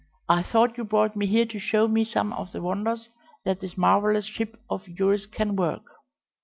I thought you brought me here to show me some of the wonders that this marvellous ship of yours can work."